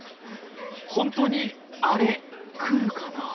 本当にアレ来るかな。